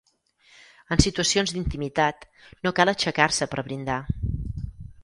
En situacions d'intimitat, no cal aixecar-se per brindar.